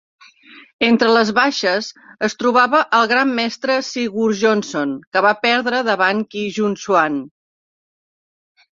Entre les baixes es trobava el Gran Mestre Sigurjonsson, que va perdre davant Qi Jung Xuan.